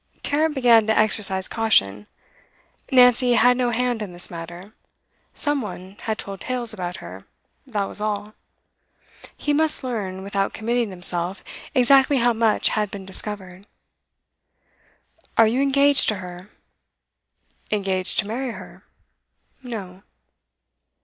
Tarrant began to exercise caution. Nancy had no hand in this matter; some one had told tales about her, that was all. He must learn, without committing himself, exactly how much had been discovered. 'Are you engaged to her?' 'Engaged to marry her? No.